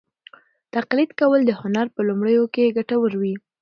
تقلید کول د هنر په لومړیو کې ګټور وي.